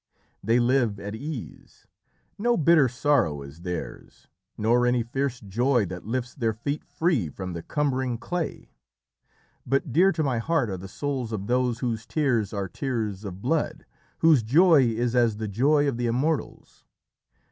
They live at ease. No bitter sorrow is theirs, nor any fierce joy that lifts their feet free from the cumbering clay. But dear to my heart are the souls of those whose tears are tears of blood, whose joy is as the joy of the Immortals.